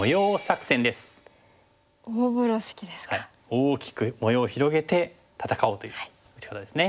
大きく模様を広げて戦おうという打ち方ですね。